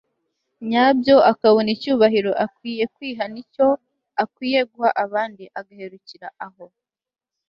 nyabyo ; akabona icyubahiro akwiye kwiha n'icyo akwiye guha abandi, agaherukira aho